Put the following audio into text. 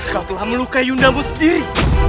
kau telah melukai yundamu sendiri